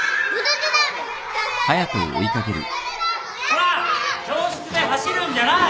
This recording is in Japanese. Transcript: こら教室で走るんじゃない。